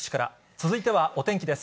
続いてはお天気です。